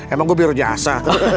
emang gua biar jasa